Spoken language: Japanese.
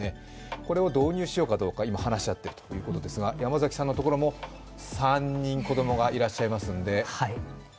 これを導入しようかどうか、今、話し合っているというところですが、山崎さんのところも３人子供がいらっしゃいますので。